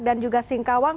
dan juga singkawang